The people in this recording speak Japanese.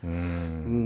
うん。